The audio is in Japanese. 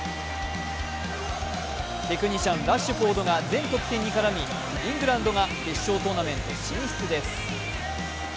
テクニシャン・ラッシュフォードが全得点に絡み、イングランドが決勝トーナメント進出です。